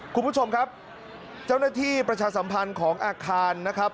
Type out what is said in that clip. คุณผู้ชมครับเจ้าหน้าที่ประชาสัมพันธ์ของอาคารนะครับ